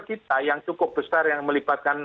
kita yang cukup besar yang melibatkan